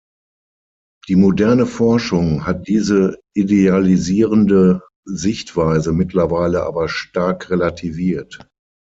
Die moderne Forschung hat diese idealisierende Sichtweise mittlerweile aber stark relativiert.